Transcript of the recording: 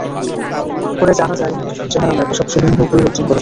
পরে জানা যায়, মেয়েটি শুধু চেহারাই নয়, পাশাপাশি লিঙ্গও পরিবর্তন করেছে।